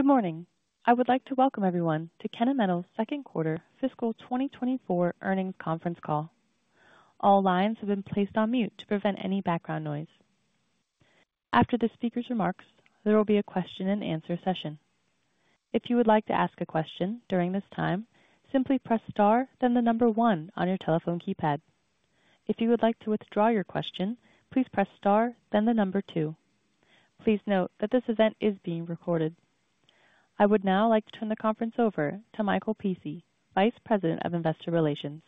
Good morning. I would like to welcome everyone to Kennametal's second quarter fiscal 2024 earnings conference call. All lines have been placed on mute to prevent any background noise. After the speaker's remarks, there will be a question-and-answer session. If you would like to ask a question during this time, simply press star, then the number one on your telephone keypad. If you would like to withdraw your question, please press star, then the number two. Please note that this event is being recorded. I would now like to turn the conference over to Michael Pici, Vice President of Investor Relations.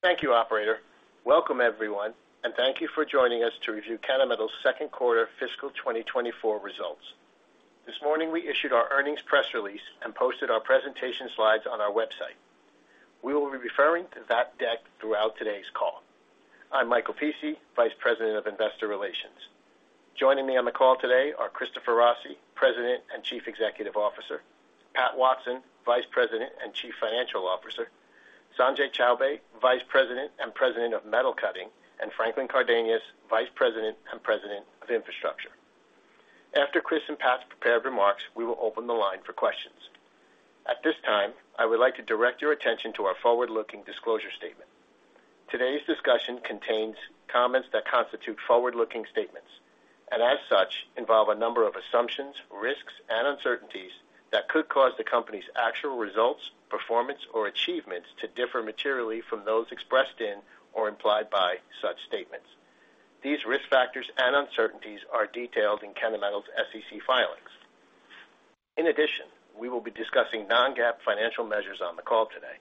Thank you, operator. Welcome, everyone, and thank you for joining us to review Kennametal's second quarter fiscal 2024 results. This morning, we issued our earnings press release and posted our presentation slides on our website. We will be referring to that deck throughout today's call. I'm Michael Pici, Vice President of Investor Relations. Joining me on the call today are Christopher Rossi, President and Chief Executive Officer, Pat Watson, Vice President and Chief Financial Officer, Sanjay Chowbey, Vice President and President of Metal Cutting, and Franklin Cardenas, Vice President and President of Infrastructure. After Chris and Pat's prepared remarks, we will open the line for questions. At this time, I would like to direct your attention to our forward-looking disclosure statement. Today's discussion contains comments that constitute forward-looking statements, and as such, involve a number of assumptions, risks, and uncertainties that could cause the company's actual results, performance, or achievements to differ materially from those expressed in or implied by such statements. These risk factors and uncertainties are detailed in Kennametal's SEC filings. In addition, we will be discussing non-GAAP financial measures on the call today.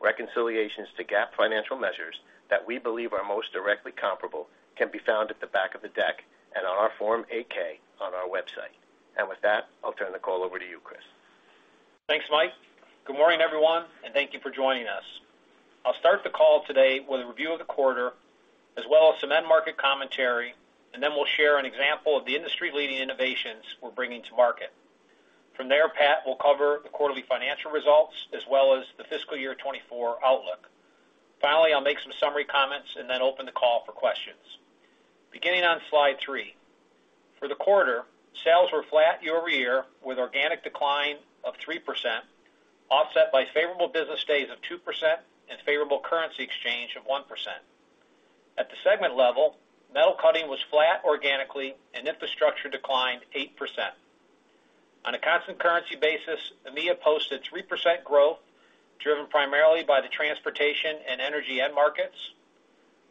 Reconciliations to GAAP financial measures that we believe are most directly comparable can be found at the back of the deck and on our Form 8-K on our website. And with that, I'll turn the call over to you, Chris. Thanks, Mike. Good morning, everyone, and thank you for joining us. I'll start the call today with a review of the quarter, as well as some end market commentary, and then we'll share an example of the industry-leading innovations we're bringing to market. From there, Pat will cover the quarterly financial results as well as the fiscal year 2024 outlook. Finally, I'll make some summary comments and then open the call for questions. Beginning on slide three. For the quarter, sales were flat year-over-year, with organic decline of 3%, offset by favorable business days of 2% and favorable currency exchange of 1%. At the segment level, Metal Cutting was flat organically and Infrastructure declined 8%. On a constant currency basis, EMEA posted 3% growth, driven primarily by the transportation and energy end markets.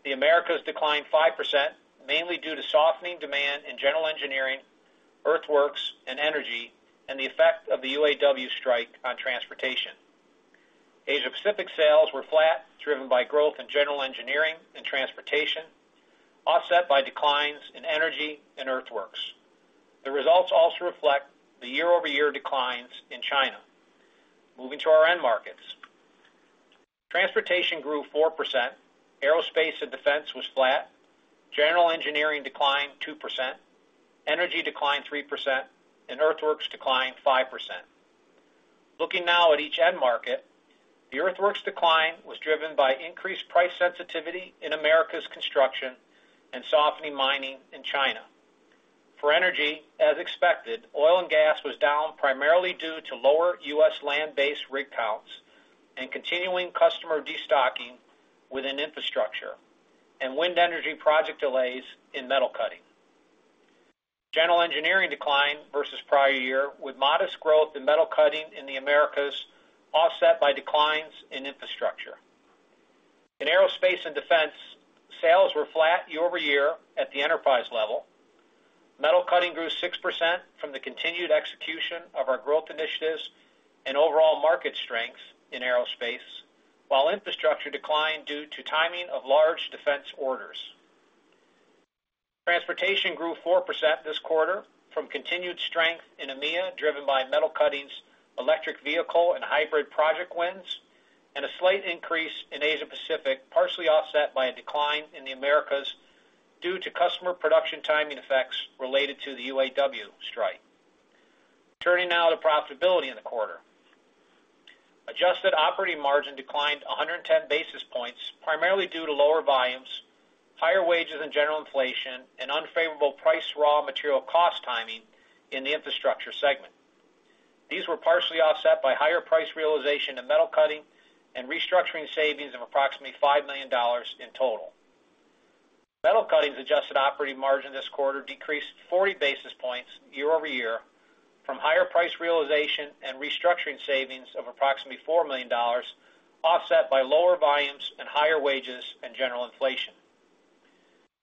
The Americas declined 5%, mainly due to softening demand in general engineering, earthworks, and energy, and the effect of the UAW strike on transportation. Asia Pacific sales were flat, driven by growth in general engineering and transportation, offset by declines in energy and earthworks. The results also reflect the year-over-year declines in China. Moving to our end markets. Transportation grew 4%, aerospace and defense was flat, general engineering declined 2%, energy declined 3%, and earthworks declined 5%. Looking now at each end market, the earthworks decline was driven by increased price sensitivity in Americas construction and softening mining in China. For energy, as expected, oil and gas was down primarily due to lower U.S. land-based rig counts and continuing customer destocking within Infrastructure and wind energy project delays in Metal Cutting. General engineering declined versus prior year, with modest growth in Metal Cutting in the Americas, offset by declines in Infrastructure. In aerospace and defense, sales were flat year over year at the enterprise level. Metal Cutting grew 6% from the continued execution of our growth initiatives and overall market strength in aerospace, while Infrastructure declined due to timing of large defense orders. Transportation grew 4% this quarter from continued strength in EMEA, driven by Metal Cutting's, electric vehicle and hybrid project wins, and a slight increase in Asia Pacific, partially offset by a decline in the Americas due to customer production timing effects related to the UAW strike. Turning now to profitability in the quarter. Adjusted operating margin declined 110 basis points, primarily due to lower volumes, higher wages and general inflation, and unfavorable price/raw material cost timing in the Infrastructure segment. These were partially offset by higher price realization in Metal Cutting and restructuring savings of approximately $5 million in total. Metal Cutting's adjusted operating margin this quarter -40 basis points year-over-year from higher price realization and restructuring savings of approximately $4 million, offset by lower volumes and higher wages and general inflation.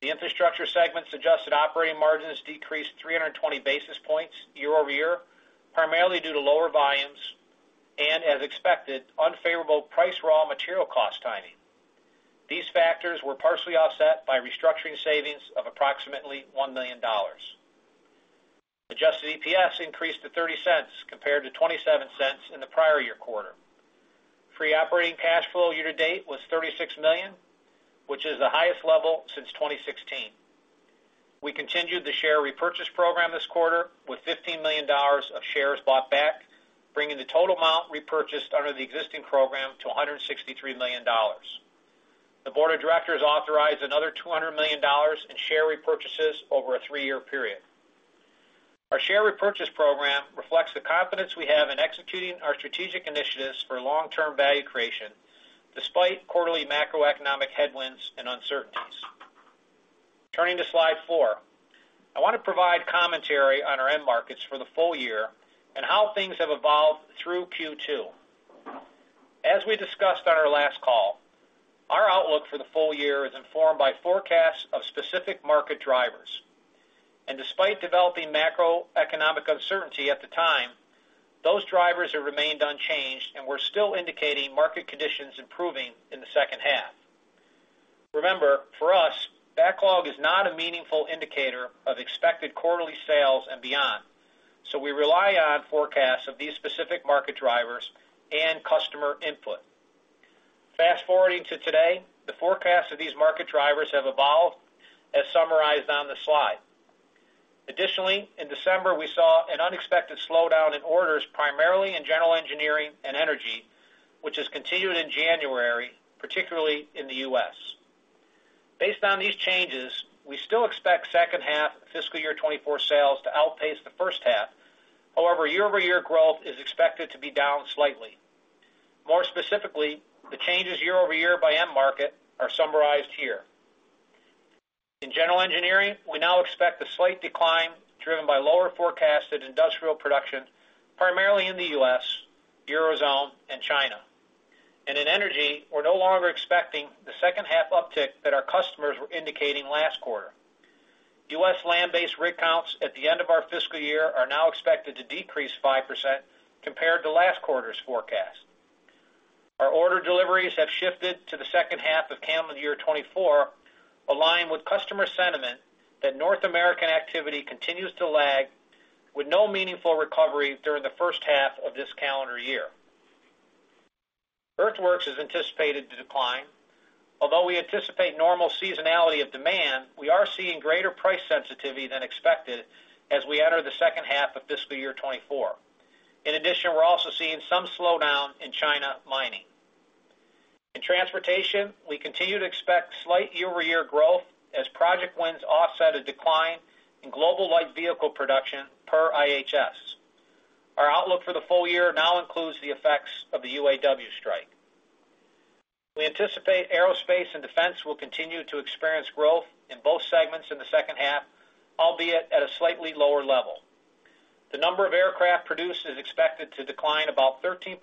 The Infrastructure segment's adjusted operating margins -320 basis points year-over-year, primarily due to lower volumes and, as expected, unfavorable price/raw material cost timing. These factors were partially offset by restructuring savings of approximately $1 million. Adjusted EPS increased to $0.30, compared to $0.27 in the prior year quarter. Free operating cash flow year to date was $36 million, which is the highest level since 2016. We continued the share repurchase program this quarter with $15 million of shares bought back, bringing the total amount repurchased under the existing program to $163 million. The Board of Directors authorized another $200 million in share repurchases over a three-year period. Our share repurchase program reflects the confidence we have in executing our strategic initiatives for long-term value creation, despite quarterly macroeconomic headwinds and uncertainties. Turning to slide four, I want to provide commentary on our end markets for the full year and how things have evolved through Q2. As we discussed on our last call, our outlook for the full year is informed by forecasts of specific market drivers, and despite developing macroeconomic uncertainty at the time, those drivers have remained unchanged, and we're still indicating market conditions improving in the second half. Remember, for us, backlog is not a meaningful indicator of expected quarterly sales and beyond, so we rely on forecasts of these specific market drivers and customer input. Fast-forwarding to today, the forecasts of these market drivers have evolved, as summarized on the slide. Additionally, in December, we saw an unexpected slowdown in orders, primarily in general engineering and energy, which has continued in January, particularly in the U.S. Based on these changes, we still expect second-half fiscal year 2024 sales to outpace the first half. However, year-over-year growth is expected to be down slightly. More specifically, the changes year-over-year by end market are summarized here. In general engineering, we now expect a slight decline driven by lower forecasted industrial production, primarily in the U.S., Eurozone, and China. And in energy, we're no longer expecting the second-half uptick that our customers were indicating last quarter. U.S. land-based rig counts at the end of our fiscal year are now expected to -5% compared to last quarter's forecast. Our order deliveries have shifted to the second half of calendar year 2024, aligned with customer sentiment that North American activity continues to lag, with no meaningful recovery during the first half of this calendar year. Earthworks is anticipated to decline. Although we anticipate normal seasonality of demand, we are seeing greater price sensitivity than expected as we enter the second half of fiscal year 2024. In addition, we're also seeing some slowdown in China mining. In transportation, we continue to expect slight year-over-year growth as project wins offset a decline in global light vehicle production per IHS. Our outlook for the full year now includes the effects of the UAW strike. We anticipate aerospace and defense will continue to experience growth in both segments in the second half, albeit at a slightly lower level. The number of aircraft produced is expected to decline about 13%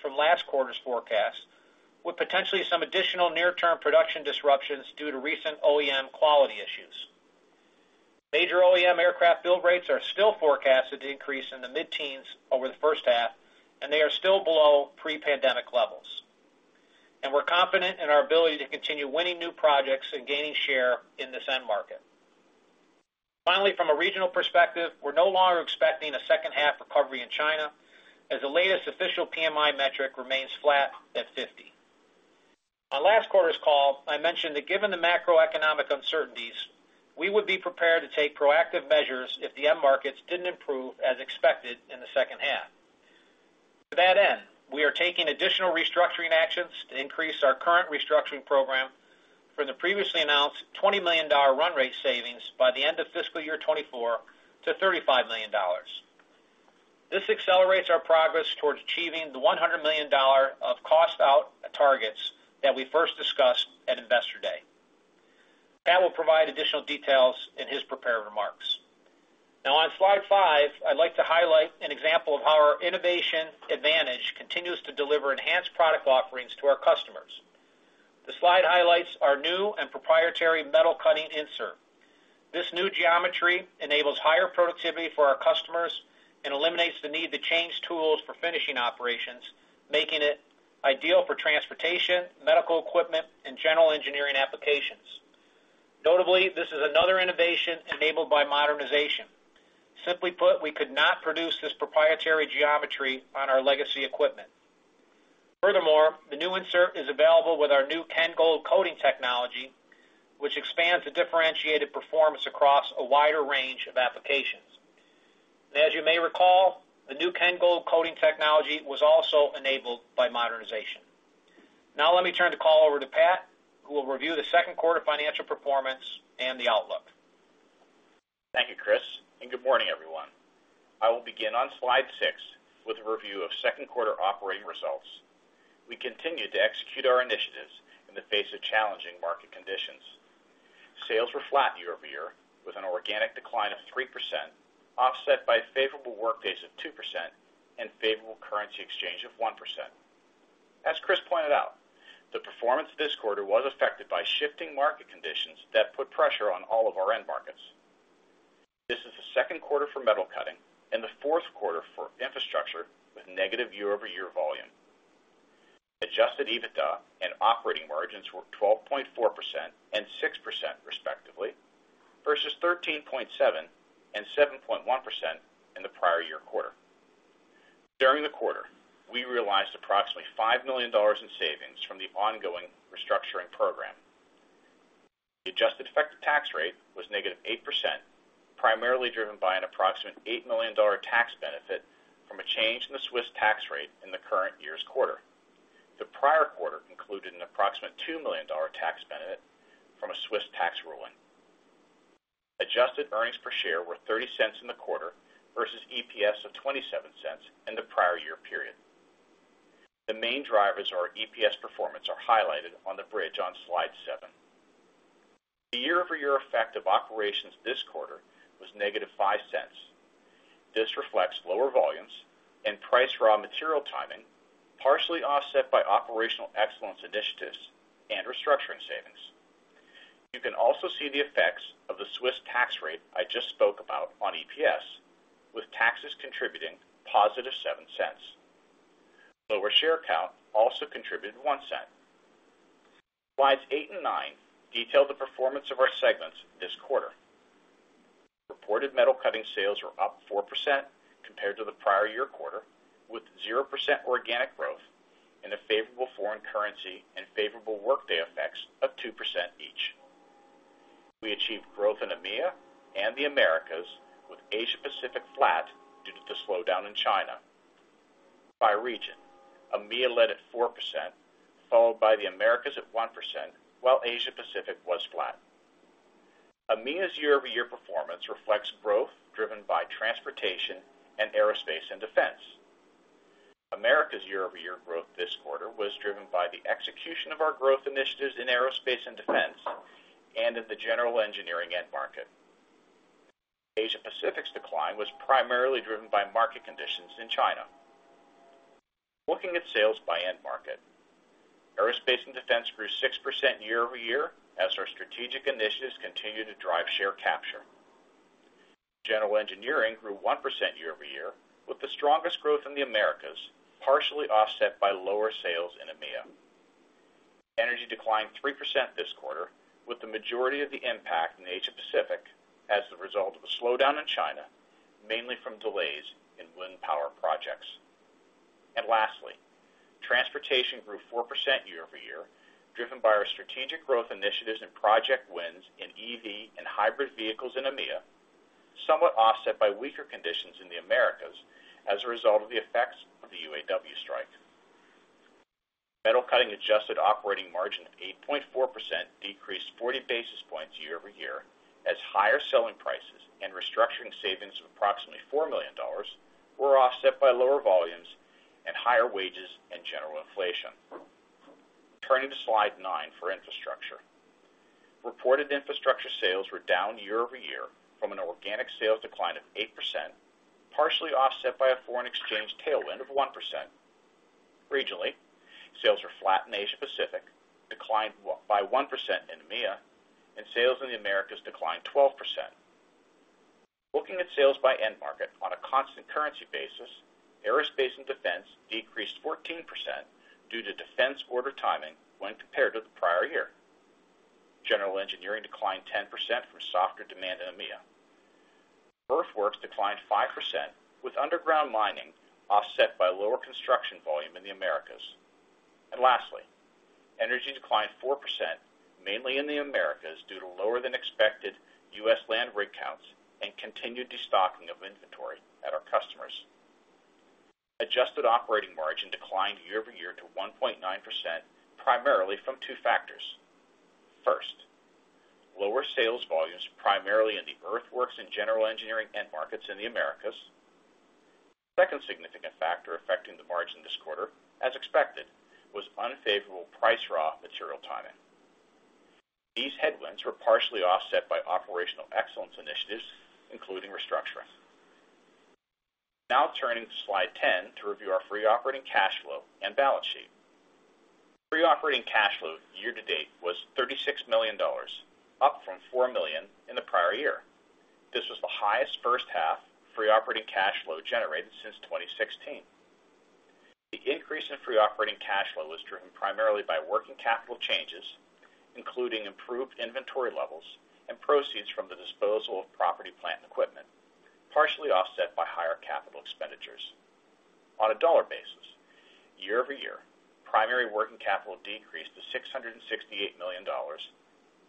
from last quarter's forecast, with potentially some additional near-term production disruptions due to recent OEM quality issues. Major OEM aircraft build rates are still forecasted to increase in the mid-teens over the first half, and they are still below pre-pandemic levels. We're confident in our ability to continue winning new projects and gaining share in this end market. Finally, from a regional perspective, we're no longer expecting a second-half recovery in China, as the latest official PMI metric remains flat at 50. On last quarter's call, I mentioned that given the macroeconomic uncertainties, we would be prepared to take proactive measures if the end markets didn't improve as expected in the second half. To that end, we are taking additional restructuring actions to increase our current restructuring program from the previously announced $20 million run rate savings by the end of fiscal year 2024 to $35 million. This accelerates our progress towards achieving the $100 million of cost out targets that we first discussed at Investor Day. Pat will provide additional details in his prepared remarks. Now, on slide five, I'd like to highlight an example of how our innovation advantage continues to deliver enhanced product offerings to our customers. The slide highlights our new and proprietary metal-cutting insert. This new geometry enables higher productivity for our customers and eliminates the need to change tools for finishing operations, making it ideal for transportation, medical equipment, and general engineering applications. Notably, this is another innovation enabled by modernization. Simply put, we could not produce this proprietary geometry on our legacy equipment. Furthermore, the new insert is available with our new KENGold coating technology, which expands the differentiated performance across a wider range of applications. As you may recall, the new KENGold coating technology was also enabled by modernization. Now let me turn the call over to Pat, who will review the second quarter financial performance and the outlook. Thank you, Chris, and good morning, everyone. I will begin on slide six with a review of second quarter operating results. We continued to execute our initiatives in the face of challenging market conditions. Sales were flat year-over-year, with an organic decline of 3%, offset by favorable workdays of 2% and favorable currency exchange of 1%. As Chris pointed out, the performance this quarter was affected by shifting market conditions that put pressure on all of our end markets. This is the second quarter for Metal Cutting and the fourth quarter for Infrastructure, with negative year-over-year volume. Adjusted EBITDA and operating margins were 12.4% and 6%, respectively, versus 13.7% and 7.1% in the prior year quarter. During the quarter, we realized approximately $5 million in savings from the ongoing restructuring program. The adjusted effective tax rate was -8%, primarily driven by an approximate $8 million tax benefit from a change in the Swiss tax rate in the current year's quarter. The prior quarter included an approximate $2 million tax benefit from a Swiss tax ruling. Adjusted earnings per share were $0.30 in the quarter versus EPS of $0.27 in the prior year period. The main drivers of our EPS performance are highlighted on the bridge on slide seven. The year-over-year effect of operations this quarter was -$0.05. This reflects lower volumes and price/raw material timing, partially offset by operational excellence initiatives and restructuring savings. You can also see the effects of the Swiss tax rate I just spoke about on EPS, with taxes contributing +$0.07. Lower share count also contributed $0.01. Slides eight and nine detail the performance of our segments this quarter. Reported Metal Cutting sales were up 4% compared to the prior year quarter, with 0% organic growth and a favorable foreign currency and favorable workday effects of 2% each. We achieved growth in EMEA and the Americas, with Asia Pacific flat due to the slowdown in China. By region, EMEA led at 4%, followed by the Americas at 1%, while Asia Pacific was flat. EMEA's year-over-year performance reflects growth driven by transportation and aerospace and defense. Americas' year-over-year growth this quarter was driven by the execution of our growth initiatives in aerospace and defense and in the general engineering end market. Asia Pacific's decline was primarily driven by market conditions in China. Looking at sales by end market, aerospace and defense grew 6% year-over-year, as our strategic initiatives continue to drive share capture. General engineering grew 1% year-over-year, with the strongest growth in the Americas, partially offset by lower sales in EMEA. Energy declined 3% this quarter, with the majority of the impact in Asia Pacific as the result of a slowdown in China, mainly from delays in wind power projects. And lastly, transportation grew 4% year-over-year, driven by our strategic growth initiatives and project wins in EV and hybrid vehicles in EMEA, somewhat offset by weaker conditions in the Americas as a result of the effects of the UAW strike. Metal Cutting adjusted operating margin of 8.4% decreased 40 basis points year-over-year, as higher selling prices and restructuring savings of approximately $4 million were offset by lower volumes and higher wages and general inflation. Turning to slide nine for Infrastructure. Reported Infrastructure sales were down year-over-year from an organic sales decline of 8%, partially offset by a foreign exchange tailwind of 1%. Regionally, sales were flat in Asia Pacific, declined by 1% in EMEA, and sales in the Americas declined 12%. Looking at sales by end market on a constant currency basis, aerospace and defense -14% due to defense order timing when compared to the prior year. General engineering declined 10% from softer demand in EMEA. Earthworks declined 5%, with underground mining offset by lower construction volume in the Americas. Lastly, energy declined 4%, mainly in the Americas, due to lower-than-expected U.S. land rig counts and continued destocking of inventory at our customers. Adjusted operating margin declined year-over-year to 1.9%, primarily from two factors. First, lower sales volumes, primarily in the earthworks and general engineering end markets in the Americas. Second significant factor affecting the margin this quarter, as expected, was unfavorable price raw material timing. These headwinds were partially offset by operational excellence initiatives, including restructuring. Now turning to slide 10 to review our free operating cash flow and balance sheet. Free operating cash flow year-to-date was $36 million, up from $4 million in the prior year. This was the highest first-half free operating cash flow generated since 2016. The increase in free operating cash flow was driven primarily by working capital changes, including improved inventory levels and proceeds from the disposal of property, plant, and equipment, partially offset by higher capital expenditures. On a dollar basis, year-over-year, primary working capital decreased to $668 million.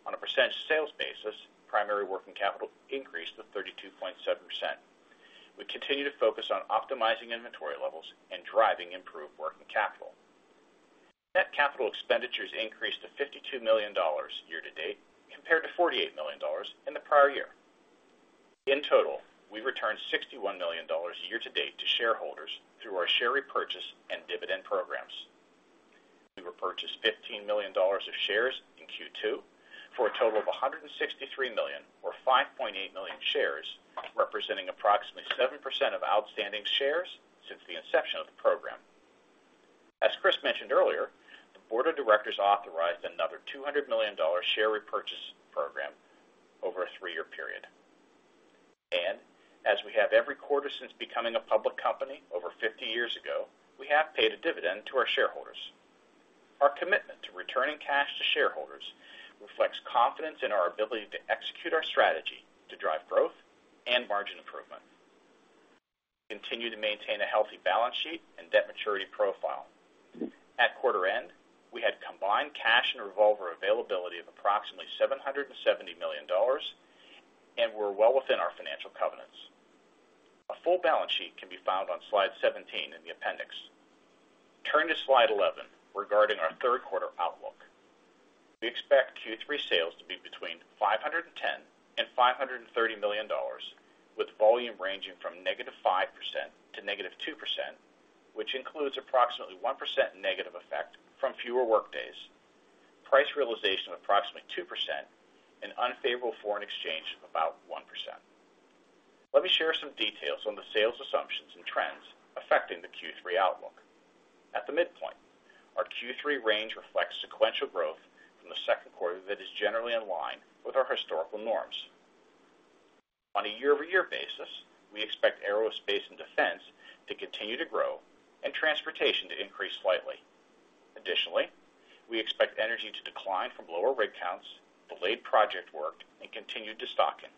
On a percent sales basis, primary working capital increased to 32.7%. We continue to focus on optimizing inventory levels and driving improved working capital. Net capital expenditures increased to $52 million year-to-date, compared to $48 million in the prior year. In total, we returned $61 million year-to-date to shareholders through our share repurchase and dividend programs. We repurchased $15 million of shares in Q2, for a total of $163 million, or 5.8 million shares, representing approximately 7% of outstanding shares since the inception of the program. As Chris mentioned earlier, the board of directors authorized another $200 million share repurchase program over a three-year period. As we have every quarter since becoming a public company over 50 years ago, we have paid a dividend to our shareholders. Our commitment to returning cash to shareholders reflects confidence in our ability to execute our strategy to drive growth and margin improvement... continue to maintain a healthy balance sheet and debt maturity profile. At quarter end, we had combined cash and revolver availability of approximately $770 million, and we're well within our financial covenants. A full balance sheet can be found on slide 17 in the appendix. Turn to slide 11 regarding our third quarter outlook. We expect Q3 sales to be between $510 million and $530 million, with volume ranging from -5% to -2%, which includes approximately 1% negative effect from fewer workdays, price realization of approximately 2%, and unfavorable foreign exchange of about 1%. Let me share some details on the sales assumptions and trends affecting the Q3 outlook. At the midpoint, our Q3 range reflects sequential growth from the second quarter that is generally in line with our historical norms. On a year-over-year basis, we expect aerospace and defense to continue to grow and transportation to increase slightly. Additionally, we expect energy to decline from lower rig counts, delayed project work, and continued destocking.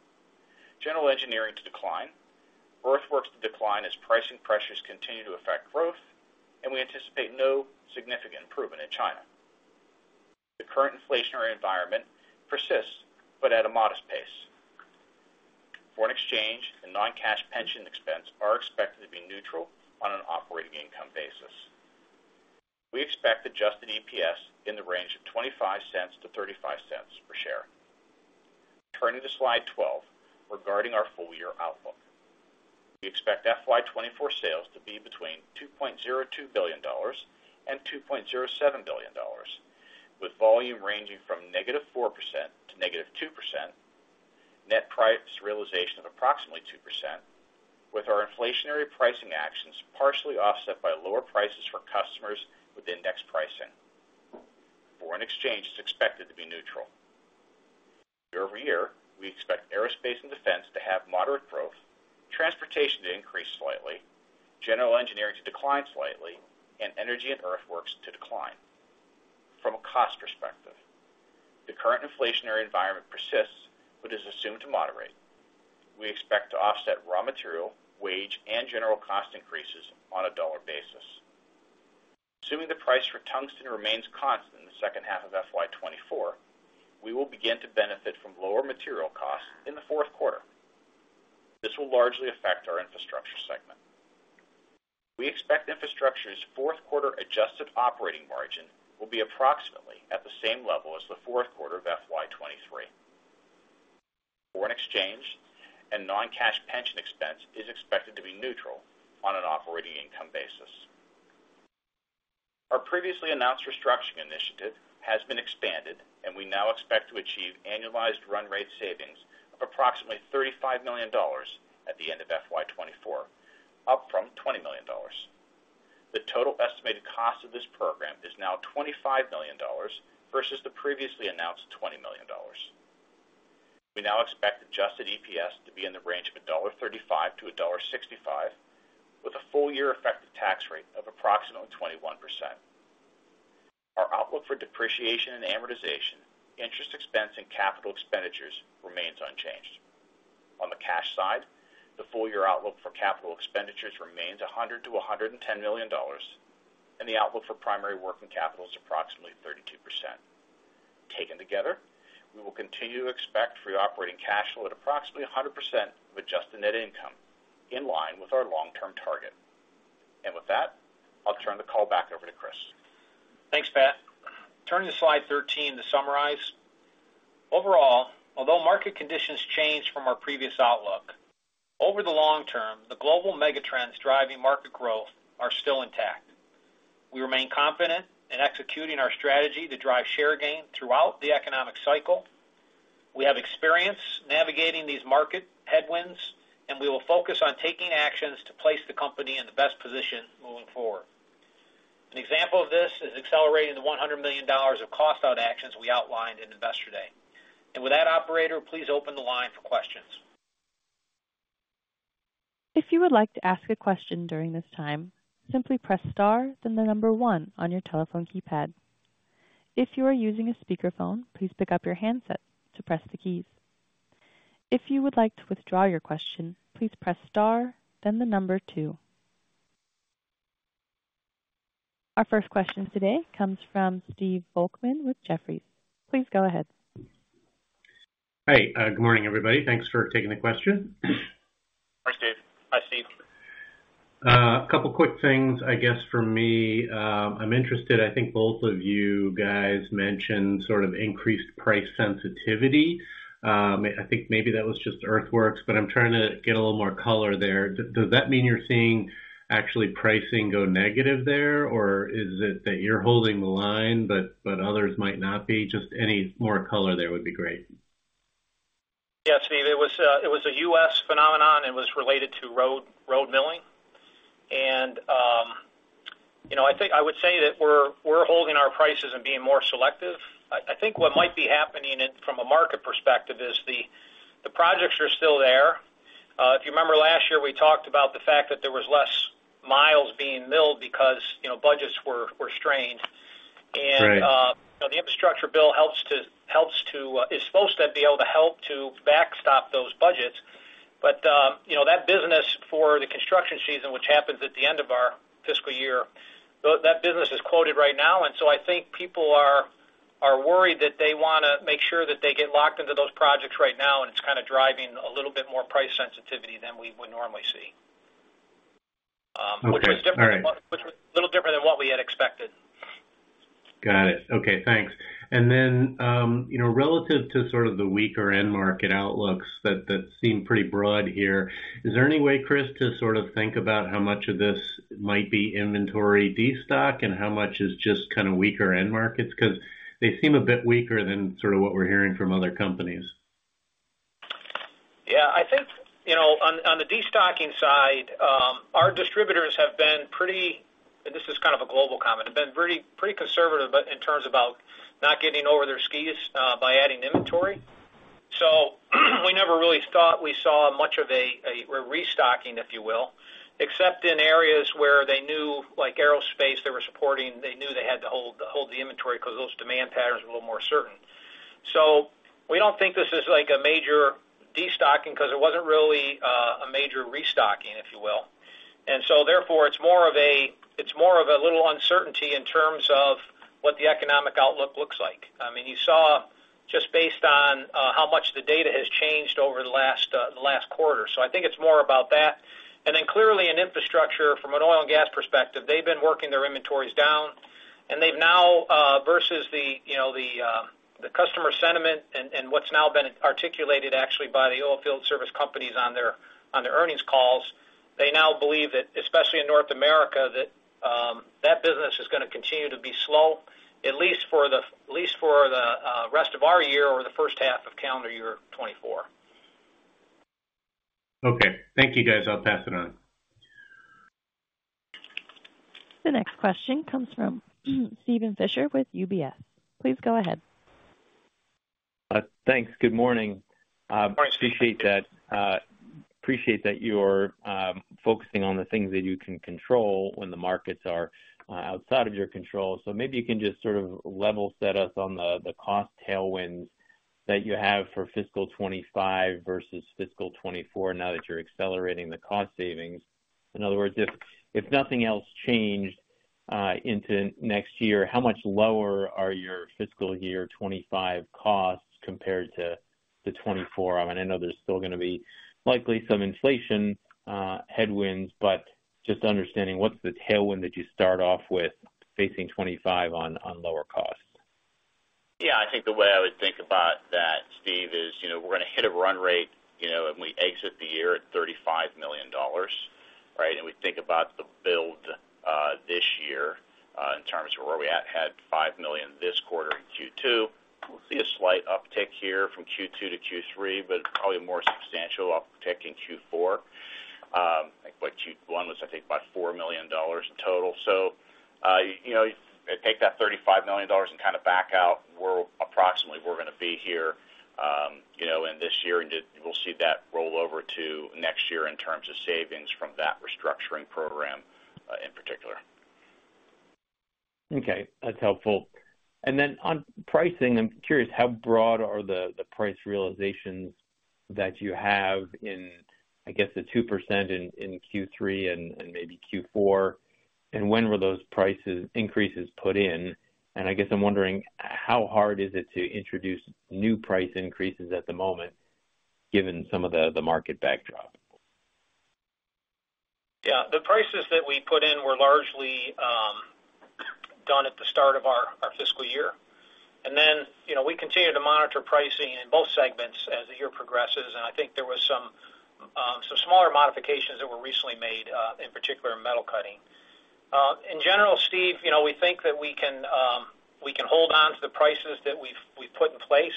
General engineering to decline, earthworks to decline as pricing pressures continue to affect growth, and we anticipate no significant improvement in China. The current inflationary environment persists, but at a modest pace. Foreign exchange and non-cash pension expense are expected to be neutral on an operating income basis. We expect adjusted EPS in the range of $0.25-$0.35 per share. Turning to slide 12, regarding our full year outlook. We expect FY 2024 sales to be between $2.02 billion and $2.07 billion, with volume ranging from -4% to -2%. Net price realization of approximately 2%, with our inflationary pricing actions partially offset by lower prices for customers with index pricing. Foreign exchange is expected to be neutral. Year-over-year, we expect aerospace and defense to have moderate growth, transportation to increase slightly, general engineering to decline slightly, and energy and earthworks to decline. From a cost perspective, the current inflationary environment persists but is assumed to moderate. We expect to offset raw material, wage, and general cost increases on a dollar basis. Assuming the price for tungsten remains constant in the second half of FY 2024, we will begin to benefit from lower material costs in the fourth quarter. This will largely affect our Infrastructure segment. We expect Infrastructure's fourth quarter Adjusted Operating Margin will be approximately at the same level as the fourth quarter of FY 2023. Foreign exchange and non-cash pension expense is expected to be neutral on an operating income basis. Our previously announced restructuring initiative has been expanded, and we now expect to achieve annualized run rate savings of approximately $35 million at the end of FY 2024, up from $20 million. The total estimated cost of this program is now $25 million versus the previously announced $20 million. We now expect adjusted EPS to be in the range of $1.35-$1.65, with a full year effective tax rate of approximately 21%. Our outlook for depreciation and amortization, interest expense, and capital expenditures remains unchanged. On the cash side, the full year outlook for capital expenditures remains $100 million-$110 million, and the outlook for primary working capital is approximately 32%. Taken together, we will continue to expect free operating cash flow at approximately 100% of adjusted net income, in line with our long-term target. And with that, I'll turn the call back over to Chris. Thanks, Pat. Turning to slide 13 to summarize. Overall, although market conditions changed from our previous outlook, over the long term, the global megatrends driving market growth are still intact. We remain confident in executing our strategy to drive share gain throughout the economic cycle. We have experience navigating these market headwinds, and we will focus on taking actions to place the company in the best position moving forward. An example of this is accelerating the $100 million of cost-out actions we outlined in Investor Day. And with that, operator, please open the line for questions. If you would like to ask a question during this time, simply press star, then one on your telephone keypad. If you are using a speakerphone, please pick up your handset to press the keys. If you would like to withdraw your question, please press star, then two. Our first question today comes from Steve Volkmann with Jefferies. Please go ahead. Hi, good morning, everybody. Thanks for taking the question. Hi, Steve. Hi, Steve. A couple quick things, I guess, from me. I'm interested, I think both of you guys mentioned sort of increased price sensitivity. I think maybe that was just earthworks, but I'm trying to get a little more color there. Does that mean you're seeing actually pricing go negative there, or is it that you're holding the line, but others might not be? Just any more color there would be great. Yeah, Steve, it was a U.S. phenomenon, and was related to road milling. And, you know, I think I would say that we're holding our prices and being more selective. I think what might be happening, from a market perspective, is the projects are still there. If you remember last year, we talked about the fact that there was less miles being milled because, you know, budgets were strained.... is supposed to be able to help to backstop those budgets. But, you know, that business for the construction season, which happens at the end of our fiscal year, that business is quoted right now. I think people are worried that they wanna make sure that they get locked into those projects right now, and it's kind of driving a little bit more price sensitivity than we would normally see, which was different- Okay, all right. Which was a little different than what we had expected. Got it. Okay, thanks. And then, you know, relative to sort of the weaker end market outlooks that seem pretty broad here, is there any way, Chris, to sort of think about how much of this might be inventory destock, and how much is just kind of weaker end markets? Because they seem a bit weaker than sort of what we're hearing from other companies. Yeah, I think, you know, on the destocking side, our distributors have been pretty conservative. And this is kind of a global comment. So we never really thought we saw much of a restocking, if you will, except in areas where they knew, like aerospace, they were supporting, they knew they had to hold the inventory because those demand patterns were a little more certain. So we don't think this is like a major destocking because it wasn't really a major restocking, if you will. And so therefore, it's more of a little uncertainty in terms of what the economic outlook looks like. I mean, you saw just based on how much the data has changed over the last quarter. So I think it's more about that. And then clearly in Infrastructure, from an oil and gas perspective, they've been working their inventories down, and they've now versus the, you know, the customer sentiment and what's now been articulated actually by the oil field service companies on their earnings calls. They now believe that, especially in North America, that business is gonna continue to be slow, at least for the rest of our year or the first half of calendar year 2024. Okay. Thank you, guys. I'll pass it on. The next question comes from Steven Fisher with UBS. Please go ahead. Thanks. Good morning. Good morning, Steve. Appreciate that, appreciate that you're focusing on the things that you can control when the markets are outside of your control. So maybe you can just sort of level set us on the cost tailwinds that you have for fiscal 2025 versus fiscal 2024, now that you're accelerating the cost savings. In other words, if nothing else changed into next year, how much lower are your fiscal year 2025 costs compared to the 2024? I mean, I know there's still gonna be likely some inflation headwinds, but just understanding, what's the tailwind that you start off with facing 2025 on lower costs? Yeah, I think the way I would think about that, Steve, is, you know, we're gonna hit a run rate, you know, and we exit the year at $35 million, right? And we think about the build, this year, in terms of where we at, had $5 million this quarter in Q2. We'll see a slight uptick here from Q2 to Q3, but probably a more substantial uptick in Q4. Like, what Q1 was, I think, about $4 million in total. So, you know, take that $35 million and kind of back out where approximately we're gonna be here, in this year, and we'll see that roll over to next year in terms of savings from that restructuring program, in particular. Okay, that's helpful. And then on pricing, I'm curious, how broad are the price realizations that you have in, I guess, the 2% in Q3 and maybe Q4? And when were those price increases put in? And I guess I'm wondering, how hard is it to introduce new price increases at the moment, given some of the market backdrop? Yeah, the prices that we put in were largely done at the start of our fiscal year. And then, you know, we continue to monitor pricing in both segments as the year progresses, and I think there was some smaller modifications that were recently made in particular in Metal Cutting. In general, Steve, you know, we think that we can hold on to the prices that we've put in place.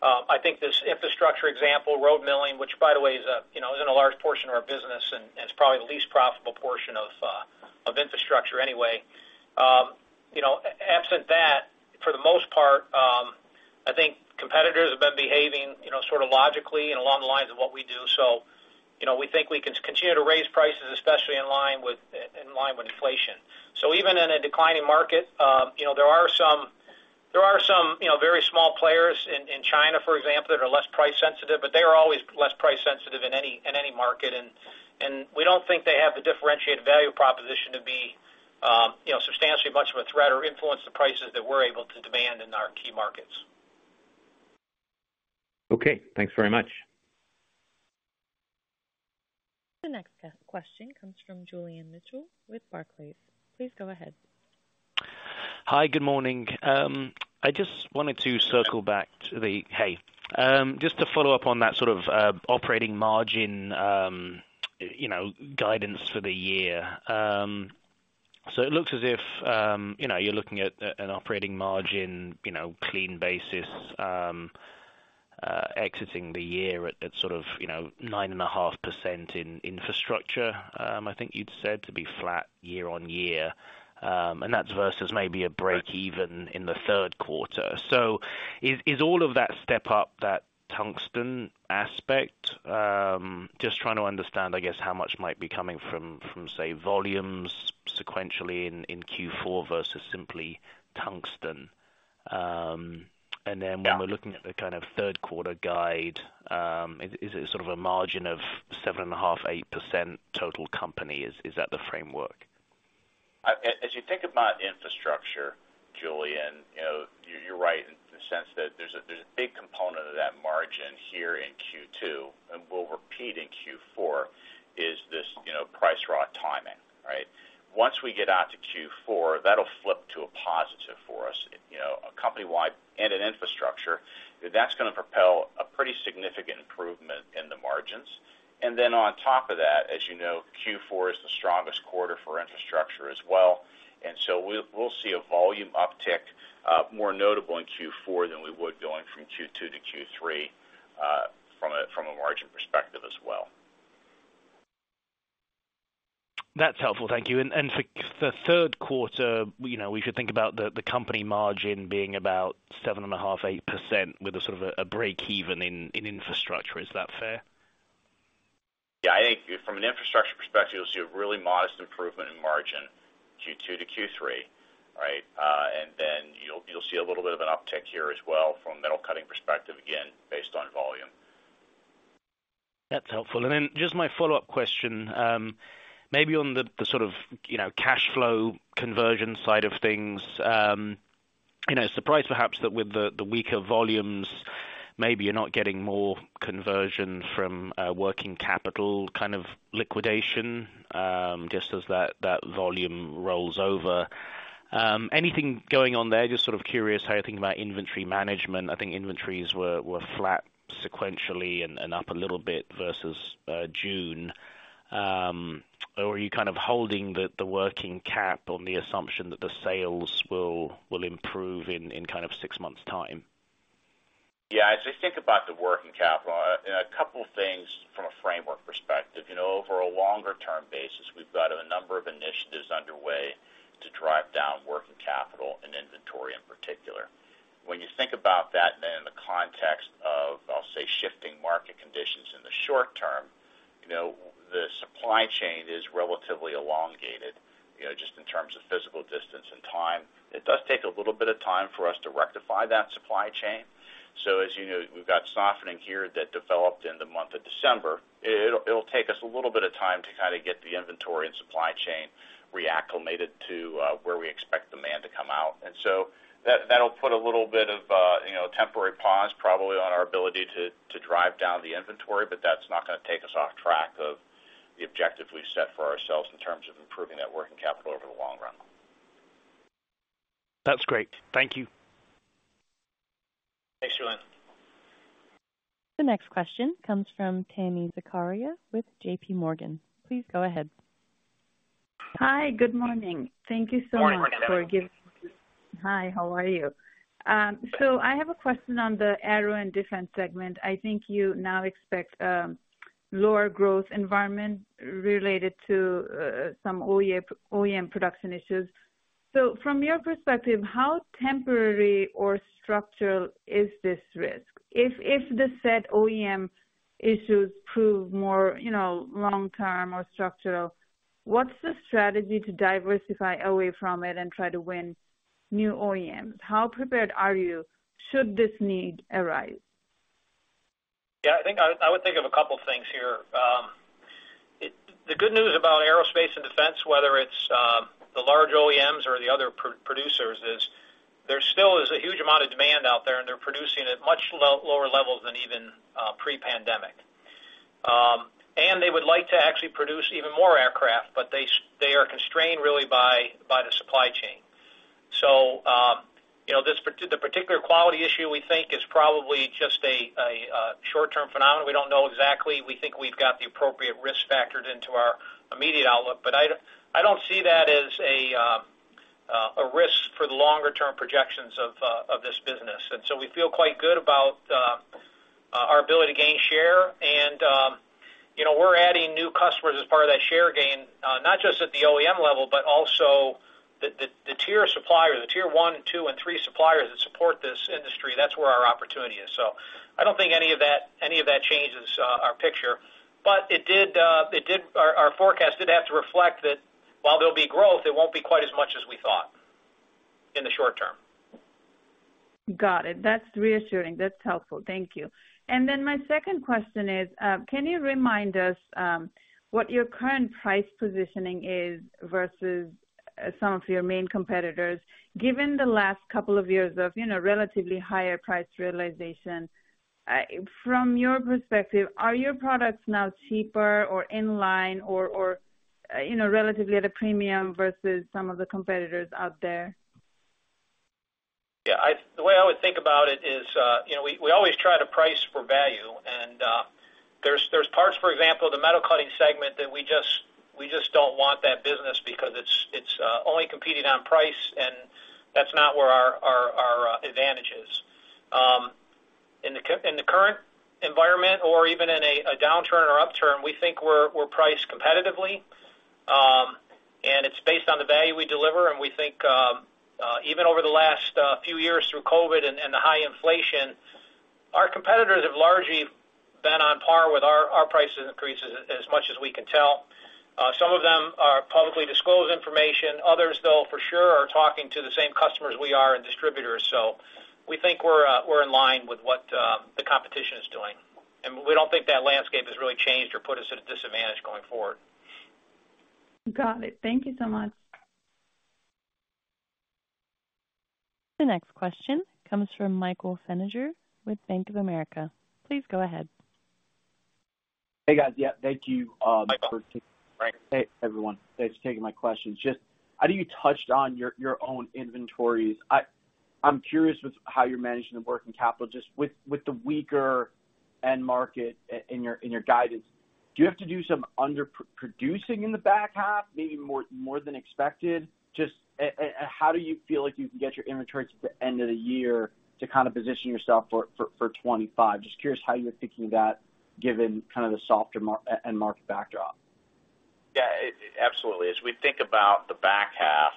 I think this Infrastructure example, road milling, which, by the way, is a, you know, isn't a large portion of our business and it's probably the least profitable portion of Infrastructure anyway. You know, absent that, for the most part, I think competitors have been behaving, you know, sort of logically and along the lines of what we do. So, you know, we think we can continue to raise prices, especially in line with, in line with inflation. So even in a declining market, you know, there are some, there are some, you know, very small players in, in China, for example, that are less price sensitive, but they are always less price sensitive in any, in any market. And, and we don't think they have the differentiated value proposition to be, you know, substantially much of a threat or influence the prices that we're able to demand in our key markets. Okay, thanks very much. The next question comes from Julian Mitchell with Barclays. Please go ahead. Hi, good morning. Just to follow up on that sort of operating margin, you know, guidance for the year. So it looks as if, you know, you're looking at an operating margin, you know, clean basis, exiting the year at that sort of, you know, 9.5% in Infrastructure. I think you'd said to be flat year-over-year, and that's versus maybe a break even in the third quarter. So is all of that step up, that tungsten aspect? Just trying to understand, I guess, how much might be coming from, say, volumes sequentially in Q4 versus simply tungsten. And then- Yeah. When we're looking at the kind of third quarter guide, is it sort of a margin of 7.5%-8% total company? Is that the framework? As you think about Infrastructure, Julian, you know, you're right in the sense that there's a big component of that margin here in Q2, and will repeat in Q4, is this, you know, price raw timing, right? Once we get out to Q4, that'll flip to a positive for us, you know, a company-wide and in Infrastructure. That's gonna propel a pretty significant improvement in the margins. And then on top of that, as you know, Q4 is the strongest quarter for Infrastructure as well, and so we'll see a volume uptick, more notable in Q4 than we would going from Q2 to Q3, from a margin perspective as well. That's helpful, thank you. For the third quarter, you know, we should think about the company margin being about 7.5%-8%, with a sort of breakeven in Infrastructure. Is that fair? Yeah, I think from an Infrastructure perspective, you'll see a really modest improvement in margin, Q2 to Q3, right? And then you'll see a little bit of an uptick here as well from a Metal Cutting perspective, again, based on volume. That's helpful. And then just my follow-up question, maybe on the sort of, you know, cashflow conversion side of things, you know, surprised perhaps that with the weaker volumes, maybe you're not getting more conversion from working capital kind of liquidation, just as that volume rolls over. Anything going on there? Just sort of curious how you think about inventory management. I think inventories were flat sequentially and up a little bit versus June. Or are you kind of holding the working cap on the assumption that the sales will improve in kind of six months' time? Yeah, as we think about the working capital and a couple things from a framework perspective, you know, over a longer term basis, we've got a number of initiatives underway to drive down working capital and inventory in particular. When you think about that, then in the context of, I'll say, shifting market conditions in the short term, you know, the supply chain is relatively elongated, you know, just in terms of physical distance and time. It does take a little bit of time for us to rectify that supply chain. So as you know, we've got softening here that developed in the month of December. It'll take us a little bit of time to kind of get the inventory and supply chain re-acclimated to where we expect demand to come out. And so that, that'll put a little bit of a, you know, temporary pause, probably on our ability to drive down the inventory, but that's not gonna take us off track of the objective we've set for ourselves in terms of improving that working capital over the long run. That's great. Thank you. Thanks, Julian. The next question comes from Tami Zakaria with JPMorgan. Please go ahead. Hi, good morning. Thank you so much for giving- Good morning. Hi, how are you? So I have a question on the aero and defense segment. I think you now expect lower growth environment related to some OEM production issues. So from your perspective, how temporary or structural is this risk? If the said OEM issues prove more, you know, long-term or structural, what's the strategy to diversify away from it and try to win new OEMs? How prepared are you, should this need arise? Yeah, I think I would think of a couple of things here. The good news about aerospace and defense, whether it's the large OEMs or the other producers, is that there still is a huge amount of demand out there, and they're producing at much lower levels than even pre-pandemic. And they would like to actually produce even more aircraft, but they are constrained really by the supply chain. So, you know, the particular quality issue, we think, is probably just a short-term phenomenon. We don't know exactly. We think we've got the appropriate risk factored into our immediate outlook, but I don't see that as a risk for the longer term projections of this business. And so we feel quite good about our ability to gain share and, you know, we're adding new customers as part of that share gain, not just at the OEM level, but also the tier supplier, the Tier 1, 2, and 3 suppliers that support this industry. That's where our opportunity is. So I don't think any of that, any of that changes our picture, but our forecast did have to reflect that while there'll be growth, it won't be quite as much as we thought in the short term. Got it. That's reassuring. That's helpful. Thank you. And then my second question is, can you remind us what your current price positioning is versus some of your main competitors, given the last couple of years of, you know, relatively higher price realization? From your perspective, are your products now cheaper, or in line, or you know, relatively at a premium versus some of the competitors out there? Yeah, the way I would think about it is, you know, we always try to price for value, and there's parts, for example, the Metal Cutting segment, that we just don't want that business because it's only competing on price, and that's not where our advantage is. In the current environment or even in a downturn or upturn, we think we're priced competitively. based on the value we deliver, and we think, even over the last few years through COVID and the high inflation, our competitors have largely been on par with our price increases as much as we can tell. Some of them are publicly disclosed information. Others, though, for sure, are talking to the same customers we are and distributors. So we think we're in line with what the competition is doing, and we don't think that landscape has really changed or put us at a disadvantage going forward. Got it. Thank you so much. The next question comes from Michael Feniger with Bank of America. Please go ahead. Hey, guys. Yeah, thank you, Michael. Hey, everyone. Thanks for taking my questions. Just, I know you touched on your own inventories. I'm curious with how you're managing the working capital, just with the weaker end market in your guidance. Do you have to do some underproducing in the back half, maybe more than expected? Just, and how do you feel like you can get your inventories at the end of the year to kind of position yourself for 25? Just curious how you're thinking that, given kind of the softer end market backdrop. Yeah, absolutely. As we think about the back half,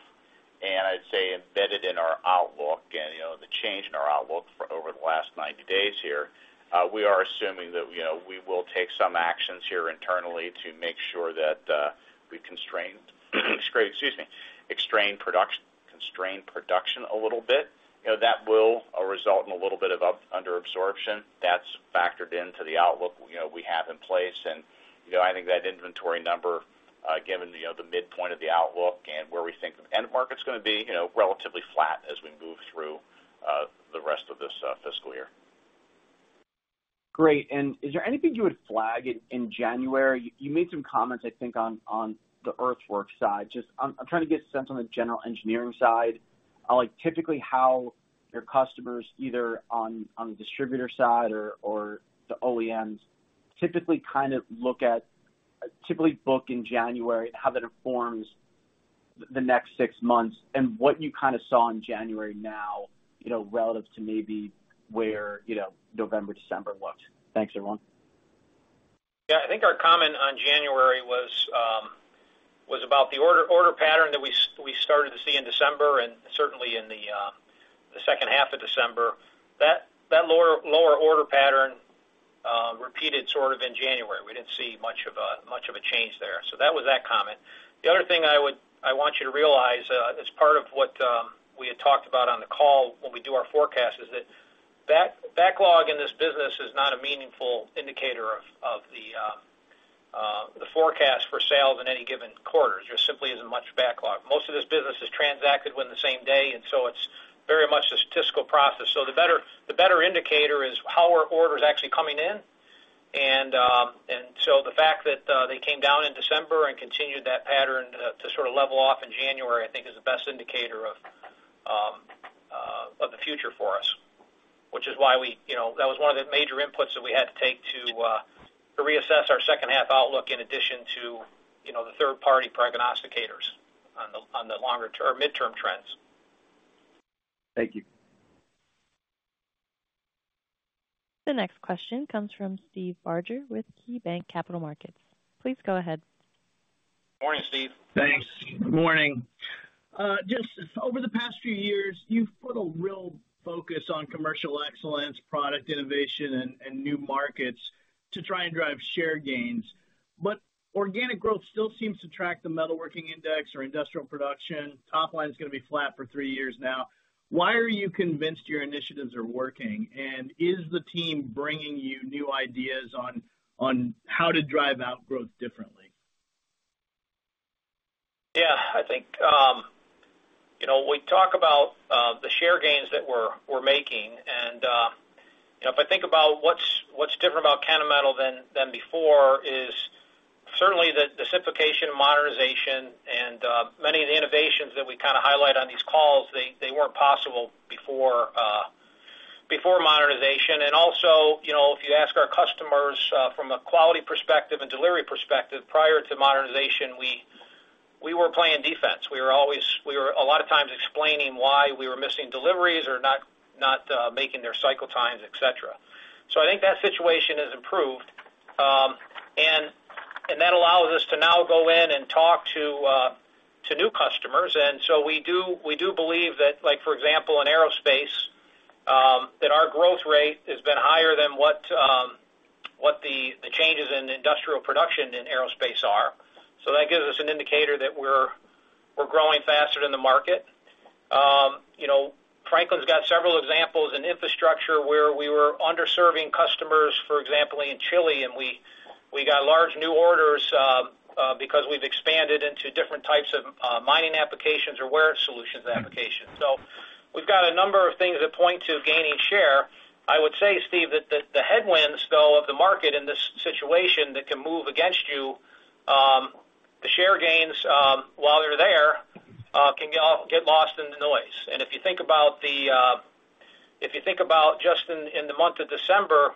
and I'd say embedded in our outlook and, you know, the change in our outlook for over the last 90 days here, we are assuming that, you know, we will take some actions here internally to make sure that we constrain production a little bit. You know, that will result in a little bit of under absorption. That's factored into the outlook, you know, we have in place. And, you know, I think that inventory number, given the, you know, the midpoint of the outlook and where we think the end market's gonna be, you know, relatively flat as we move through the rest of this fiscal year. Great. And is there anything you would flag in January? You made some comments, I think, on the earthworks side. Just I'm trying to get a sense on the general engineering side, like, typically how your customers, either on the distributor side or the OEMs, typically book in January, how that informs the next six months and what you kind of saw in January now, you know, relative to maybe where, you know, November, December looked. Thanks, everyone. Yeah, I think our comment on January was about the order pattern that we started to see in December, and certainly in the second half of December. That lower order pattern repeated sort of in January. We didn't see much of a change there. So that was that comment. The other thing I would... I want you to realize, as part of what we had talked about on the call when we do our forecast, is that backlog in this business is not a meaningful indicator of the forecast for sales in any given quarter. There simply isn't much backlog. Most of this business is transacted within the same day, and so it's very much a statistical process. So the better indicator is how are orders actually coming in? and so the fact that they came down in December and continued that pattern to sort of level off in January, I think is the best indicator of the future for us. Which is why we, you know, that was one of the major inputs that we had to take to to reassess our second half outlook, in addition to, you know, the third-party prognosticators on the longer term or midterm trends. Thank you. The next question comes from Steve Barger with KeyBanc Capital Markets. Please go ahead. Morning, Steve. Thanks. Morning. Just over the past few years, you've put a real focus on commercial excellence, product innovation, and new markets to try and drive share gains. But organic growth still seems to track the metalworking index or industrial production. Top line is gonna be flat for three years now. Why are you convinced your initiatives are working? And is the team bringing you new ideas on how to drive out growth differently? Yeah, I think, you know, we talk about the share gains that we're making. And, you know, if I think about what's different about Kennametal than before, is certainly the simplification, modernization, and many of the innovations that we kind of highlight on these calls, they weren't possible before modernization. And also, you know, if you ask our customers, from a quality perspective and delivery perspective, prior to modernization, we were playing defense. We were a lot of times explaining why we were missing deliveries or not making their cycle times, et cetera. So I think that situation has improved. And that allows us to now go in and talk to new customers. And so we do, we do believe that, like, for example, in aerospace, that our growth rate has been higher than what the changes in industrial production in aerospace are. So that gives us an indicator that we're growing faster than the market. You know, Franklin's got several examples in Infrastructure where we were underserving customers, for example, in Chile, and we got large new orders because we've expanded into different types of mining applications or wear solutions applications. So we've got a number of things that point to gaining share. I would say, Steve, that the headwinds, though, of the market in this situation, that can move against you, the share gains, while they're there, can get lost in the noise. If you think about just in the month of December,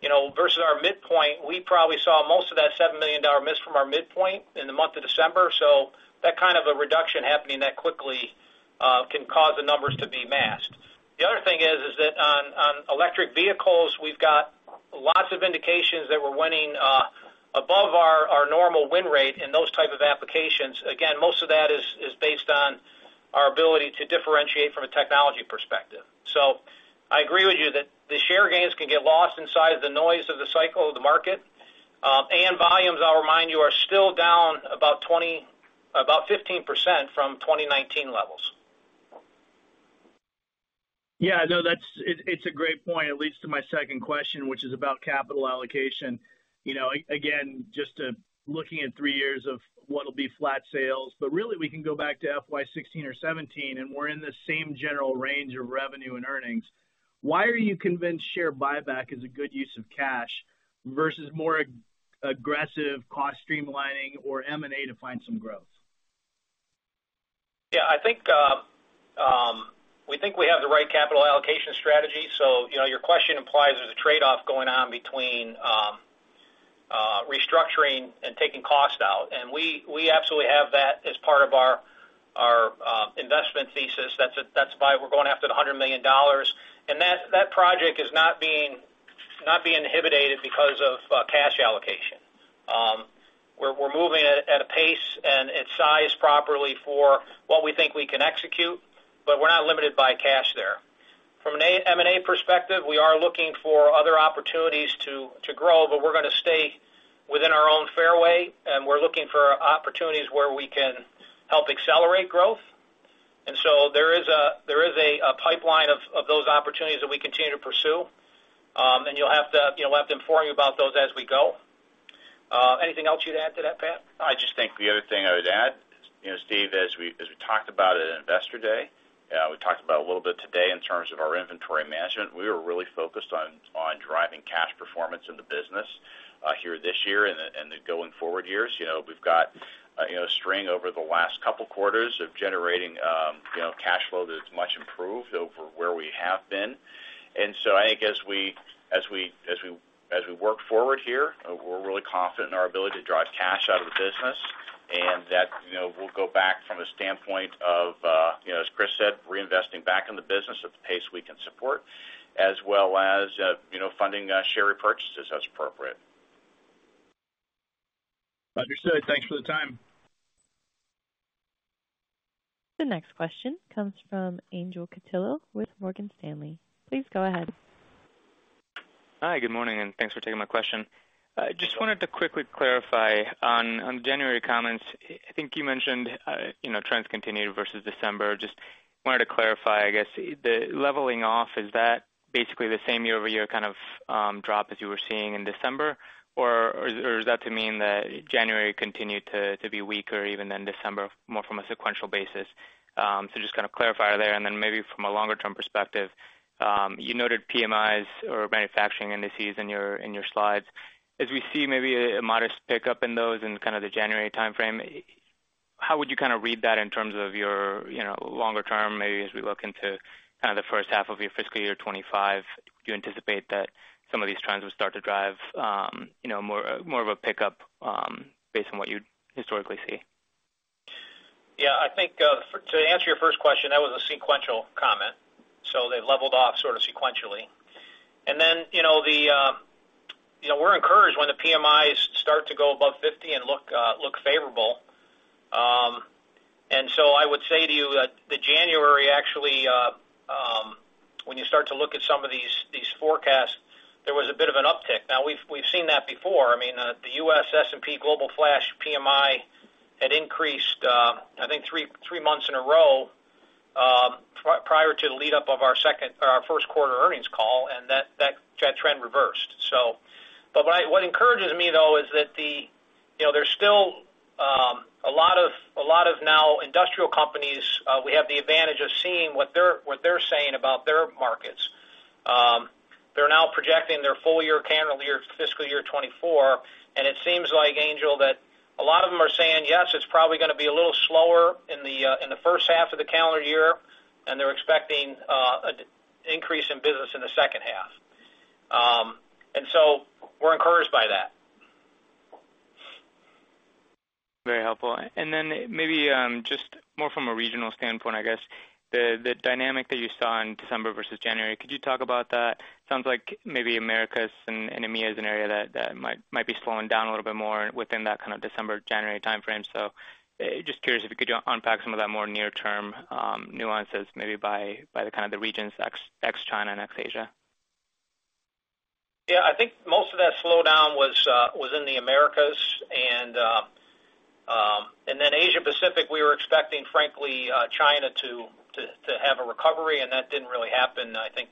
you know, versus our midpoint, we probably saw most of that $7 million miss from our midpoint in the month of December. So that kind of a reduction happening that quickly can cause the numbers to be masked. The other thing is that on electric vehicles, we've got lots of indications that we're winning above our normal win rate in those type of applications. Again, most of that is based on our ability to differentiate from a technology perspective. So I agree with you that the share gains can get lost inside the noise of the cycle of the market. And volumes, I'll remind you, are still down about 20%-about 15% from 2019 levels. Yeah, no, that's it. It's a great point. It leads to my second question, which is about capital allocation. You know, again, just looking at three years of what will be flat sales, but really, we can go back to FY 2016 or 2017, and we're in the same general range of revenue and earnings. Why are you convinced share buyback is a good use of cash versus more aggressive cost streamlining or M&A to find some growth? Yeah, I think, we think we have the right capital allocation strategy. So, you know, your question implies there's a trade-off going on between, restructuring and taking costs out, and we, we absolutely have that as part of our, our, investment thesis. That's, that's why we're going after the $100 million. And that, that project is not being, not being inhibited because of, cash allocation. We're, we're moving at, at a pace and it's sized properly for what we think we can execute, but we're not limited by cash there. From an M&A perspective, we are looking for other opportunities to, to grow, but we're gonna stay within our own fairway, and we're looking for opportunities where we can help accelerate growth. And so there is a, there is a, a pipeline of, of those opportunities that we continue to pursue. You'll have to, you know, we'll have to inform you about those as we go. Anything else you'd add to that, Pat? I just think the other thing I would add, you know, Steve, as we talked about at Investor Day, we talked about a little bit today in terms of our inventory management. We were really focused on driving cash performance in the business here this year and the going forward years. You know, we've got, you know, a string over the last couple of quarters of generating, you know, cash flow that's much improved over where we have been. And so I think as we work forward here, we're really confident in our ability to drive cash out of the business, and that, you know, we'll go back from the standpoint of, you know, as Chris said, reinvesting back in the business at the pace we can support, as well as, you know, funding share repurchases as appropriate. Understood. Thanks for the time. The next question comes from Angel Castillo with Morgan Stanley. Please go ahead. Hi, good morning, and thanks for taking my question. I just wanted to quickly clarify on January comments. I think you mentioned, you know, trends continued versus December. Just wanted to clarify, I guess, the leveling off, is that basically the same year-over-year kind of drop as you were seeing in December? Or is that to mean that January continued to be weaker even than December, more from a sequential basis? So just kind of clarify there, and then maybe from a longer-term perspective, you noted PMIs or manufacturing indices in your slides. As we see maybe a modest pickup in those in kind of the January time frame, how would you kind of read that in terms of your, you know, longer term, maybe as we look into kind of the first half of your fiscal year 2025, do you anticipate that some of these trends will start to drive, you know, more, more of a pickup, based on what you historically see? Yeah, I think, to answer your first question, that was a sequential comment, so they leveled off sort of sequentially. And then, you know, the, you know, we're encouraged when the PMIs start to go above 50 and look, look favorable. And so I would say to you that the January, actually, when you start to look at some of these, these forecasts, there was a bit of an uptick. Now, we've, we've seen that before. I mean, the U.S. S&P Global Flash PMI had increased, I think three, three months in a row, prior to the lead-up of our second... Our first quarter earnings call, and that, that trend reversed. But what encourages me, though, is that, you know, there's still a lot of now industrial companies, we have the advantage of seeing what they're saying about their markets. They're now projecting their full-year calendar year fiscal year 2024, and it seems like, Angel, that a lot of them are saying, "Yes, it's probably gonna be a little slower in the first half of the calendar year," and they're expecting an increase in business in the second half. And so we're encouraged by that. Very helpful. Then maybe, just more from a regional standpoint, I guess, the dynamic that you saw in December versus January, could you talk about that? Sounds like maybe Americas and EMEA is an area that might be slowing down a little bit more within that kind of December to January time frame. So just curious if you could unpack some of that more near-term nuances, maybe by the kind of regions ex-China and ex-Asia. Yeah, I think most of that slowdown was in the Americas. Then Asia Pacific, we were expecting, frankly, China to have a recovery, and that didn't really happen. I think,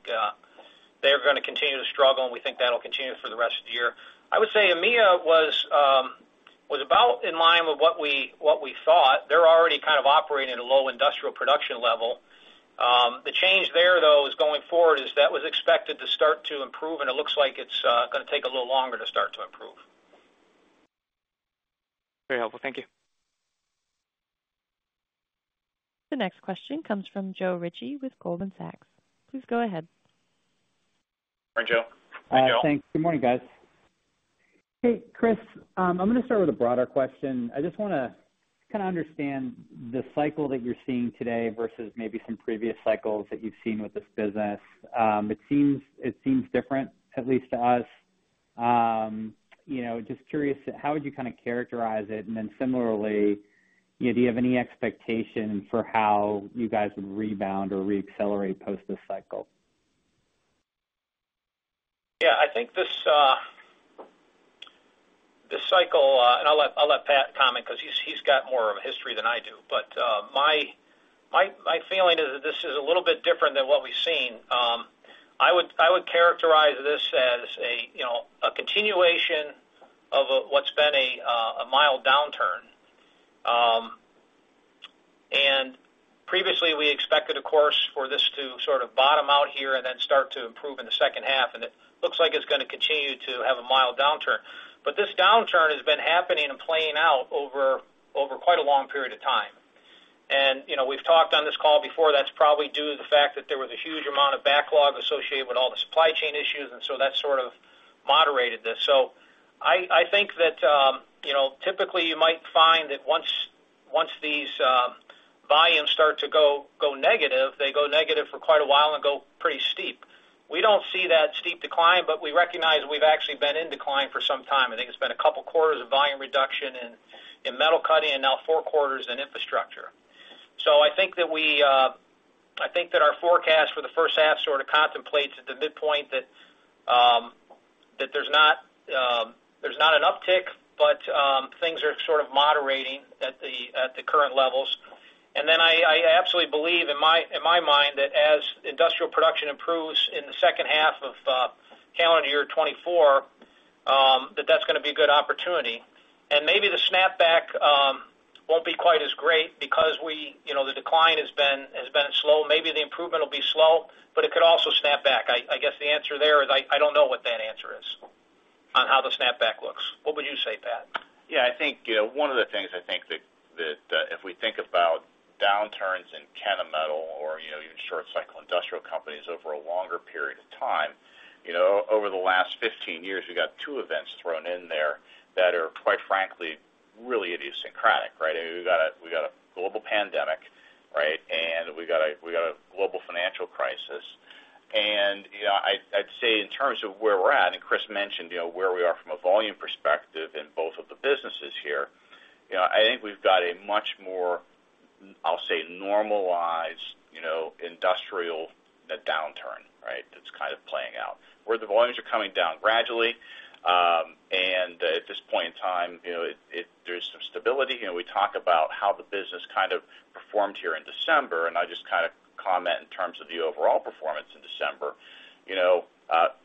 they're gonna continue to struggle, and we think that'll continue for the rest of the year. I would say EMEA was about in line with what we thought. They're already kind of operating at a low industrial production level. The change there, though, is going forward, is that was expected to start to improve, and it looks like it's gonna take a little longer to start to improve. Very helpful. Thank you. The next question comes from Joe Ritchie with Goldman Sachs. Please go ahead. Hi, Joe. Hi, Joe. Thanks. Good morning, guys. Hey, Chris, I'm gonna start with a broader question. I just wanna kind of understand the cycle that you're seeing today versus maybe some previous cycles that you've seen with this business. It seems different, at least to us. You know, just curious, how would you kind of characterize it? And then similarly, you know, do you have any expectation for how you guys would rebound or reaccelerate post this cycle? Yeah, I think this cycle, and I'll let Pat comment because he's got more of a history than I do. But my feeling is that this is a little bit different than what we've seen. I would characterize this as, you know, a continuation of what's been a mild downturn. And previously, we expected, of course, for this to sort of bottom out here and then start to improve in the second half, and it looks like it's gonna continue to have a mild downturn. But this downturn has been happening and playing out over quite a long period of time. You know, we've talked on this call before, that's probably due to the fact that there was a huge amount of backlog associated with all the supply chain issues, and so that sort of moderated this. So I think that, you know, typically, you might find that once these volumes start to go negative, they go negative for quite a while and go pretty steep. We don't see that steep decline, but we recognize we've actually been in decline for some time. I think it's been a couple quarters of volume reduction in Metal Cutting, and now four quarters in Infrastructure. So I think that we, I think that our forecast for the first half sort of contemplates at the midpoint that, that there's not, there's not an uptick, but, things are sort of moderating at the, at the current levels. And then I, I absolutely believe in my, in my mind, that as industrial production improves in the second half of, calendar year 2024, that that's gonna be a good opportunity. And maybe the snapback, won't be quite as great because we... You know, the decline has been, has been slow. Maybe the improvement will be slow, but it could also snap back. I, I guess the answer there is, I, I don't know what that answer is on how the snapback looks. What would you say, Pat? Yeah, I think, you know, one of the things I think that if we think about downturns in Kennametal or, you know, even short cycle industrial companies over a longer period of time, you know, over the last 15 years, we've got two events thrown in there that are, quite frankly, really idiosyncratic, right? I mean, we've got a, we got a global pandemic, right? And we got a, we got a global financial crisis. And, you know, I'd, I'd say, in terms of where we're at, and Chris mentioned, you know, where we are from a volume perspective in both of the businesses here, you know, I think we've got a much more, I'll say, normalized, you know, industrial downturn, right, that's kind of playing out, where the volumes are coming down gradually. And at this point in time, you know, it, it... There's some stability. You know, we talk about how the business kind of performed here in December, and I just kind of comment in terms of the overall performance in December. You know,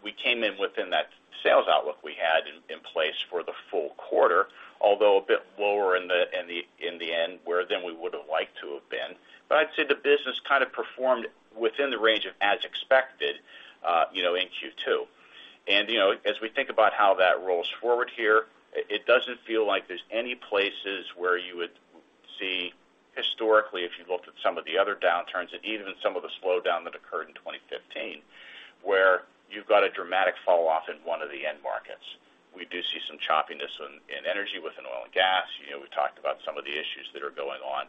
we came in within that sales outlook we had in place for the full quarter, although a bit lower in the end where than we would have liked to have been. But I'd say the business kind of performed within the range of as expected, you know, in Q2. You know, as we think about how that rolls forward here, it doesn't feel like there's any places where you would see historically, if you looked at some of the other downturns, and even in some of the slowdown that occurred in 2015, where you've got a dramatic falloff in one of the end markets. We do see some choppiness in energy with oil and gas. You know, we've talked about some of the issues that are going on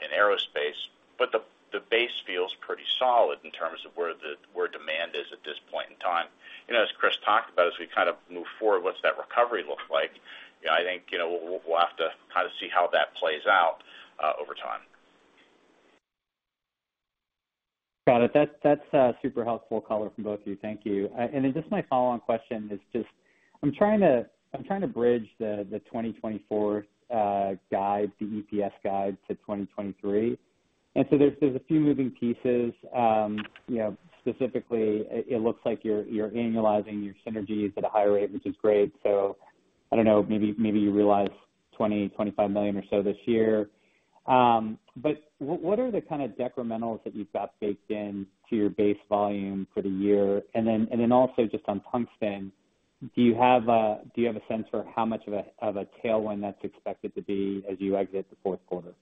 in aerospace, but the base feels pretty solid in terms of where demand is at this point in time. You know, as Chris talked about, as we kind of move forward, what's that recovery look like? I think, you know, we'll have to kind of see how that plays out over time. Got it. That's super helpful color from both of you. Thank you. And then just my follow-on question is just I'm trying to bridge the 2024 guide, the EPS guide to 2023. And so there's a few moving pieces. You know, specifically, it looks like you're annualizing your synergies at a higher rate, which is great. So I don't know, maybe you realize $20 million-$25 million or so this year. But what are the kind of decrementals that you've got baked in to your base volume for the year? And then also just on tungsten, do you have a sense for how much of a tailwind that's expected to be as you exit the fourth quarter?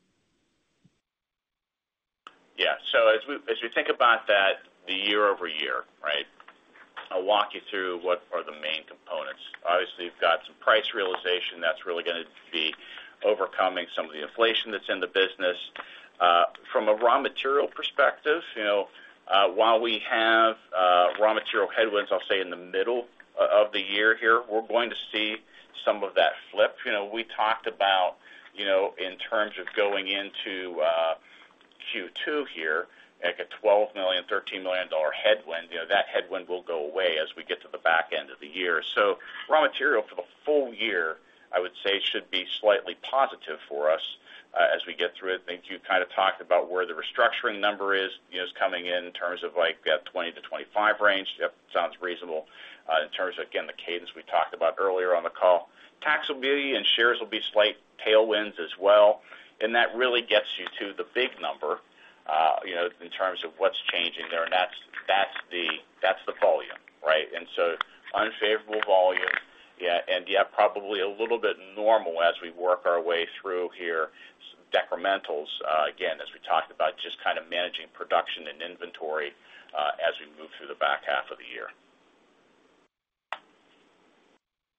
Yeah. So as we think about that, the year-over-year, right? I'll walk you through what are the main components. Obviously, you've got some price realization that's really gonna be overcoming some of the inflation that's in the business. From a raw material perspective, you know, while we have raw material headwinds, I'll say in the middle of the year here, we're going to see some of that flip. You know, we talked about, you know, in terms of going into Q2 here, like a $12 million-$13 million headwind. You know, that headwind will go away as we get to the back end of the year. So raw material for the full year, I would say, should be slightly positive for us as we get through it. I think you kind of talked about where the restructuring number is, you know, is coming in terms of like, 20-25 range. Yep, sounds reasonable. In terms of, again, the cadence we talked about earlier on the call. Taxability and shares will be slight tailwinds as well, and that really gets you to the big number, you know, in terms of what's changing there, and that's, that's the, that's the volume, right? And so unfavorable volume, yeah, and, yeah, probably a little bit normal as we work our way through here. Some decrementals, again, as we talked about, just kind of managing production and inventory, as we move through the back half of the year.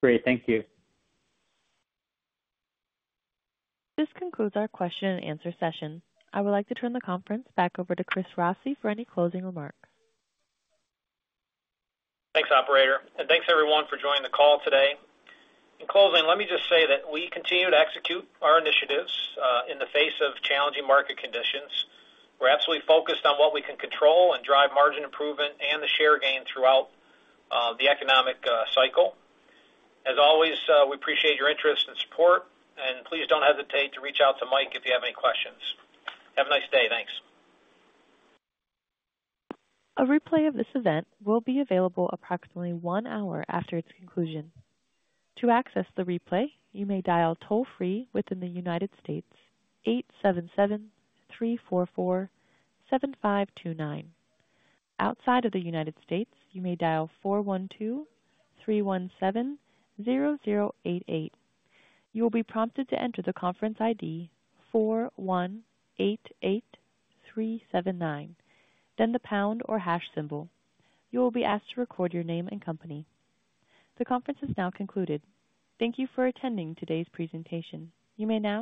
Great. Thank you. This concludes our question and answer session. I would like to turn the conference back over to Chris Rossi for any closing remarks. Thanks, operator, and thanks, everyone, for joining the call today. In closing, let me just say that we continue to execute our initiatives, in the face of challenging market conditions. We're absolutely focused on what we can control and drive margin improvement and the share gain throughout the economic cycle. As always, we appreciate your interest and support, and please don't hesitate to reach out to Mike if you have any questions. Have a nice day. Thanks. A replay of this event will be available approximately one hour after its conclusion. To access the replay, you may dial toll-free within the United States, 877-344-7529. Outside of the United States, you may dial 412-317-0088. You will be prompted to enter the conference ID, 418-8379, then the pound or hash symbol. You will be asked to record your name and company. The conference is now concluded. Thank you for attending today's presentation. You may now disconnect.